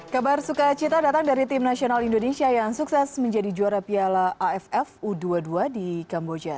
kabar suka cita datang dari tim nasional indonesia yang sukses menjadi juara piala aff u dua puluh dua di kamboja